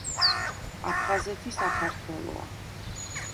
აფხაზეთი საქართელოა !!!!